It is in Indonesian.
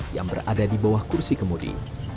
yang berada di bawah kursi kemudi